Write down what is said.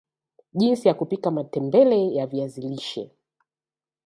jinsi ya kupika matembele ya viazi lishe